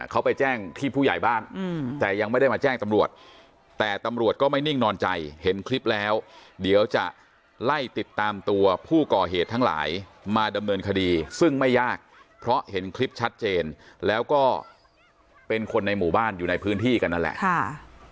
เขาไปแจ้งที่ผู้ใหญ่บ้านแต่ยังไม่ได้มาแจ้งตำรวจแต่ตำรวจก็ไม่นิ่งนอนใจเห็นคลิปแล้วเดี๋ยวจะไล่ติดตามตัวผู้ก่อเหตุทั้งหลายมาดำเนินคดีซึ่งไม่ยากเพราะเห็นคลิปชัดเจนแล้วก็เป็นคนในหมู่บ้านอยู่ในพื้นที่กันนั่นแหละค่ะ